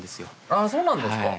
あそうなんですか。